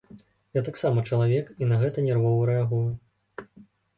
Я таксама чалавек і на гэта нервова рэагую.